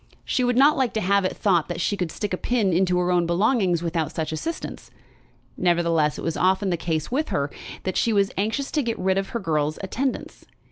She would not like to have it thought that she could stick a pin into her own belongings without such assistance. Nevertheless it was often the case with her, that she was anxious to get rid of her girl's attendance.